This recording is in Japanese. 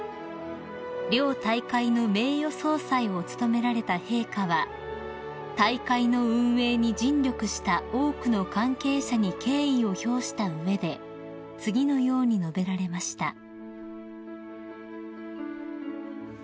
［両大会の名誉総裁を務められた陛下は大会の運営に尽力した多くの関係者に敬意を表した上で次のように述べられました］